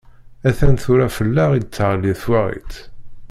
Atan tura fell-aɣ i d-teɣli twaɣit!